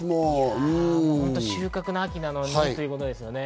収穫の秋なのにということですよね。